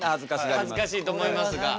恥ずかしいと思いますが。